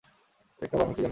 একটা বানর কী জানে?